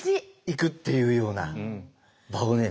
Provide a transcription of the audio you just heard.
行くっていうような場をね